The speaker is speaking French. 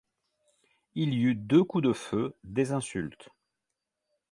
Il y eut deux coups de feu, des insultes.